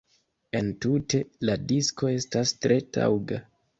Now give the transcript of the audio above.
Entute, la disko estas tre taŭga.